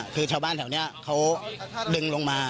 คือชาวบ้านแถวนี้เขาดึงลงมา